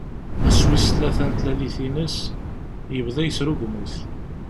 Ass wis tlata n tlalit-ines, yebda yesrugmut.